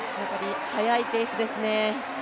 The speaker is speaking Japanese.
速いペースですね。